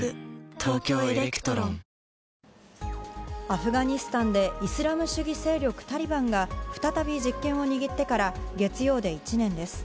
アフガニスタンでイスラム主義勢力タリバンが、再び実権を握ってから月曜で１年です。